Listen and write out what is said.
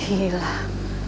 akan datang ada orang lain